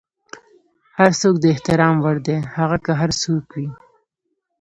هر څوک د احترام وړ دی، هغه که هر څوک وي.